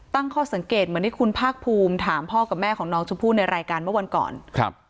ตั้งข้อสังเกตเหมือนที่คุณภาคภูมิถามพ่อกับแม่ของน้องชมพู่ในรายการเมื่อวันก่อนครับ